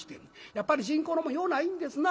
やっぱり人工のもんようないんですな。